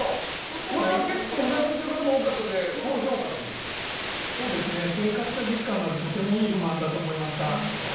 これは結構うなずいている人も多かったので生活者実感のあるとてもいい不満だと思いました。